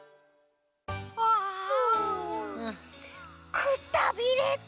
くたびれた。